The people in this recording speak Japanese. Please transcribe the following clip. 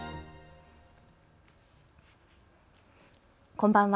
こんばんは。